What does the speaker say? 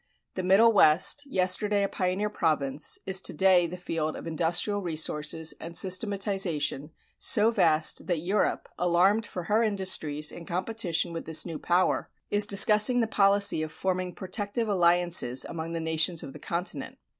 The Middle West, yesterday a pioneer province, is to day the field of industrial resources and systematization so vast that Europe, alarmed for her industries in competition with this new power, is discussing the policy of forming protective alliances among the nations of the continent.